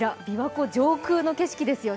琵琶湖上空の景色ですよ。